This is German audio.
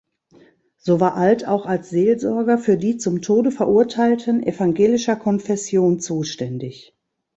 So war Alt auch als Seelsorger für die zum Tode Verurteilten evangelischer Konfession zuständig.